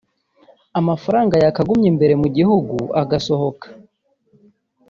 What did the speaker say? amafaranga yakagumye imbere mu gihugu agasohoka